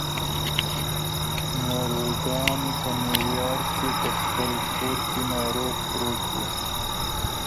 مورګان په نیویارک کې په خپل کور کې ناروغ پروت و